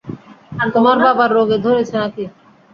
তোমার বাবার রোগে ধরেছে নাকি?